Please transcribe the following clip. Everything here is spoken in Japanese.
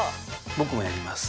僕もやります。